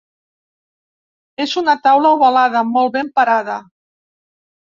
És una taula ovalada, molt ben parada.